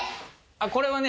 あっこれはね